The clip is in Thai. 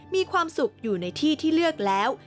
มีความสุขอยู่ในที่ที่เลือกแล้ว